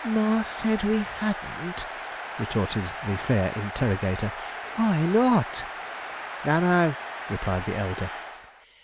'Mar said we hadn't!' retorted the fair interrogator. 'Why not?' 'Don't know,' replied the elder.